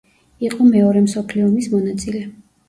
იყო მეორე მსოფლიო ომის მონაწილე.